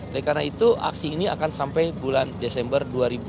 oleh karena itu aksi ini akan sampai bulan desember dua ribu dua puluh